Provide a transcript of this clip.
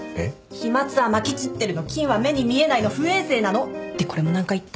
飛沫はまき散ってるの菌は目に見えないの不衛生なのってこれも何回言った？